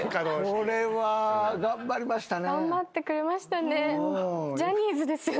これは頑張りましたね。